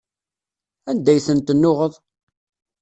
Anda ay ten-tennuɣeḍ?